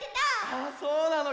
あそうなの？